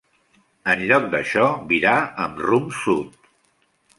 En lloc d'això, virà amb rumb sud.